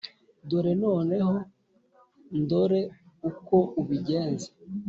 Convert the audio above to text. dore noneho ndore uko ubigenza;